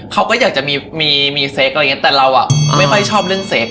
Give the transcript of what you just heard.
เขาก็อยากจะมีมีเซ็กอะไรอย่างเงี้แต่เราอ่ะไม่ค่อยชอบเรื่องเซ็ก